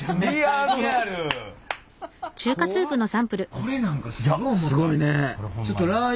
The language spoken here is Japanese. これなんかすごい思た。